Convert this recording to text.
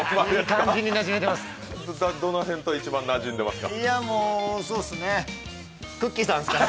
どの辺と一番なじんでますか？